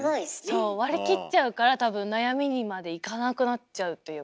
そう割り切っちゃうから多分悩みにまでいかなくなっちゃうというか。